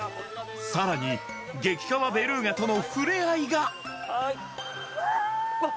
さらに激カワベルーガとのふれあいがわあ